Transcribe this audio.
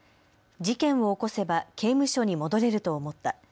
事件を起こせば刑務所に戻れると思った。